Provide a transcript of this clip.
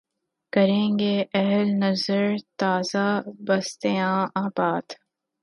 کریں گے اہل نظر تازہ بستیاں آباد